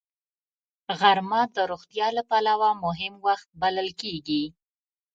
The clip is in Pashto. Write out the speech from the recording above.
غرمه د روغتیا له پلوه مهم وخت بلل کېږي